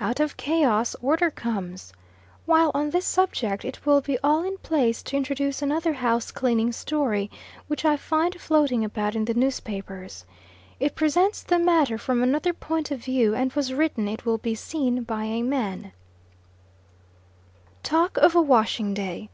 Out of chaos, order comes. While on this subject, it will be all in place to introduce another house cleaning story, which I find floating about in the newspapers. It presents the matter from another point of view, and was written, it will be seen, by a man: Talk of a washing day!